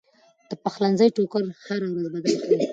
د پخلنځي ټوکر هره ورځ بدل کړئ.